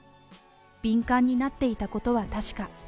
敏感になっていたことは確か。